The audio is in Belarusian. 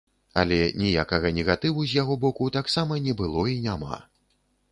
Але ніякага негатыву з яго боку таксама не было і няма.